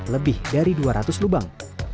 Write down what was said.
lebih dari dua ratus lubang